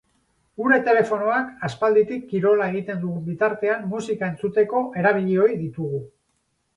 Gure telofonoak aspalditik kirola egiten dugun bitartean musika entzuteko erabili ohi ditugu.